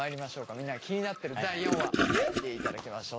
みんなが気になってる第４話見ていただきましょう。